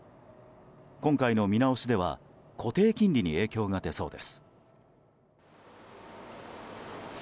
今回の見直しでは固定金利に影響が出そうです。